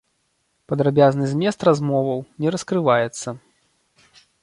Падрабязны змест размоваў не раскрываецца.